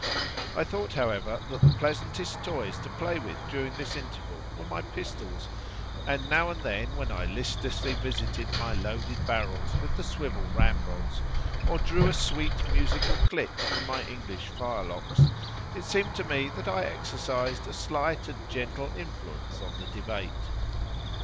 I thought, however, that the pleasantest toys to play with during this interval were my pistols, and now and then, when I listlessly visited my loaded barrels with the swivel ramrods, or drew a sweet, musical click from my English firelocks, it seemed to me that I exercised a slight and gentle influence on the debate.